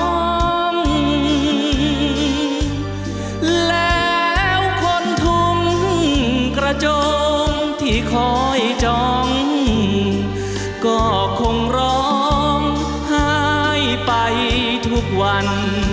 ร้องแล้วคนทุ่มกระจงที่คอยจองก็คงร้องไห้ไปทุกวัน